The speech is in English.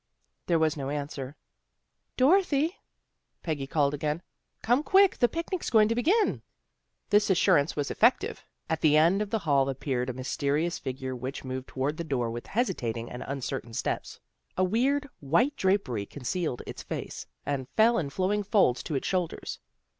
There was no answer. " Dorothy! " Peggy called again, " Come quick. The picnic's going to begin." This assurance was effective. At the end of the hall appeared a mysterious figure which moved toward the door with hesitating and uncertain steps. A weird, white drapery con cealed its face, and fell in flowing folds to its shoulders.